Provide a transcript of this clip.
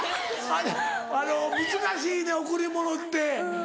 難しいのよ贈り物って。